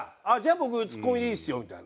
僕ツッコミでいいですよみたいな。